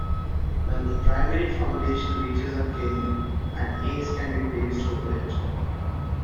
When the primary foundation reaches a king, an ace can be placed over it.